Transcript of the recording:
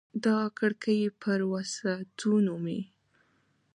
د کړکۍ پر وسعتونو مې